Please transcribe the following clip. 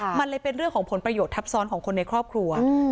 มันเลยเป็นเรื่องของผลประโยชน์ทับซ้อนของคนในครอบครัว